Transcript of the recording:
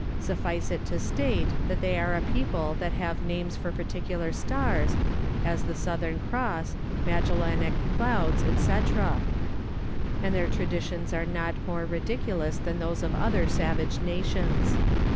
Suffice it to state that they are a people that have names for particular stars, as the Southern Cross, Magellanic clouds, &c.; and their traditions are not more ridiculous than those of other savage nations.